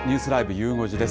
ゆう５時です。